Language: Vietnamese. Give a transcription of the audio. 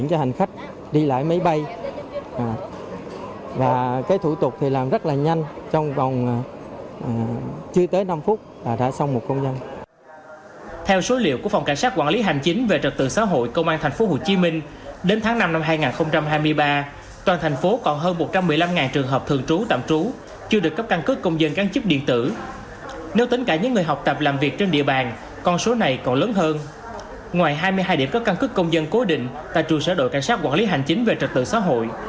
ngoài hai mươi hai điểm cấp căn cứ công dân cố định tại trường sở đội cảnh sát quản lý hành chính về trật tự xã hội